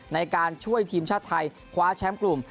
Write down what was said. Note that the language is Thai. ในการช่วยทีมชาติไทยคว้าแชมป์กลุ่ม